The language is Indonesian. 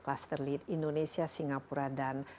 kluster lead indonesia singapura dan